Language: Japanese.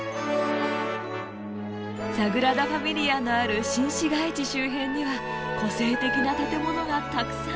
サグラダ・ファミリアのある新市街地周辺には個性的な建物がたくさん。